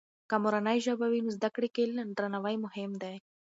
که مورنۍ ژبه وي، نو زده کړې کې درناوی لازم دی.